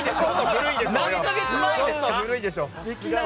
ちょっと古いでしょ！